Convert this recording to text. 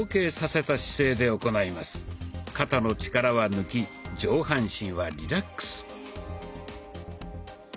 肩の力は抜き上半身はリラックス。